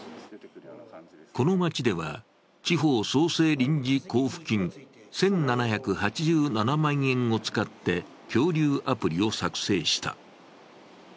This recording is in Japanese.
この町では、地方創生臨時交付金１７８７万円を使って恐竜アプリを作成した。